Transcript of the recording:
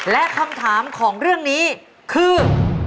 และคำถามของเรื่องนี้คือ